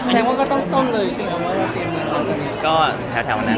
อเจมส์ออกไว้กับท่านเดิม